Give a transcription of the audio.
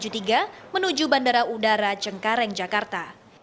dan tujuh bandara udara cengkareng jakarta